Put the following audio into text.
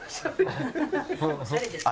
誰ですか？